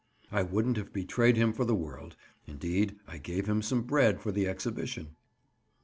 I wouldn't have betrayed him for the world; indeed, I gave him some bread for the exhibition.